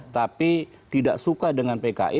tapi tidak suka dengan pki